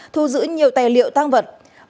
thu giữ nhiều tài liệu tang vật